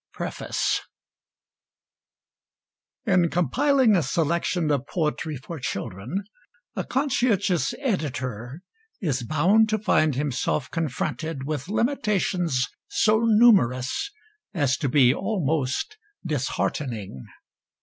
PREFACE In compiling a selection of Poetry for Children, a conscientious Editor is bound to find himself confronted with limitations so numerous as to be almost disheartening.